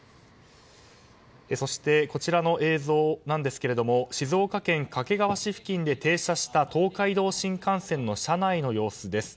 そして、こちらの映像ですが静岡県掛川市付近で停車した東海道新幹線の車内の様子です。